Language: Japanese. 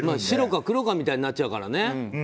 白か黒かみたいになっちゃうからね。